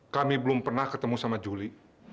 kami belum pernah ketemu sama juli